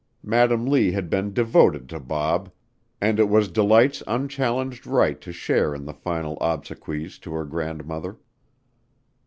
Madam Lee had been devoted to Bob, and it was Delight's unchallenged right to share in the final obsequies to her grandmother.